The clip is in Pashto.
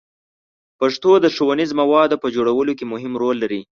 پښتو د ښوونیزو موادو په جوړولو کې مهم رول لري.